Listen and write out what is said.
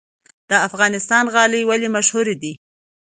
د افغانستان غالۍ ولې مشهورې دي؟